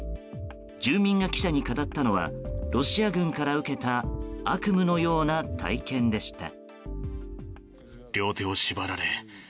住民が記者に語ったのはロシア軍から受けた悪夢のような体験でした。